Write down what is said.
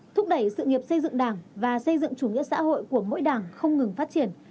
thúc đẩy sự nghiệp xây dựng đảng và xây dựng chủ nghĩa xã hội của mỗi đảng không ngừng phát triển